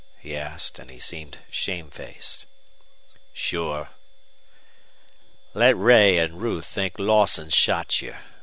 he asked, and he seemed shamefaced. "Sure." "Let Ray and Ruth think Lawson shot you.